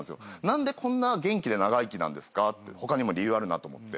「何でこんな元気で長生きなんですか？」って他にも理由あるなと思って。